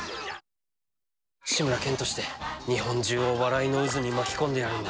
志村けんとして日本中を笑いの渦に巻き込んでやるんだ。